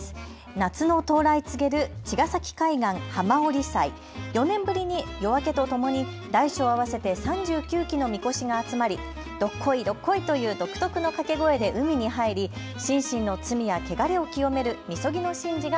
夏の到来告げる茅ヶ崎海岸浜降祭４年ぶりに夜明けとともに大小合わせて３９基のみこしが集まり、どっこい、どっこいという独特の掛け声で海に入り心身の罪や汚れを清めるみそぎの神事が